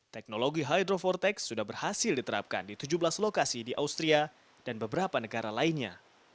teknologi hydrofortex sudah berhasil diterapkan di tujuh belas lokasi di austria dan beberapa negara lainnya